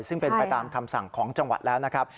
ซึ่งเป็นไปตามคำสั่งของจังหวัดแล้วนะครับ